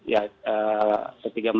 ya setiga mewan